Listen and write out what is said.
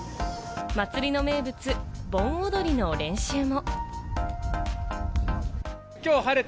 祭りの名物・盆踊りの練習も。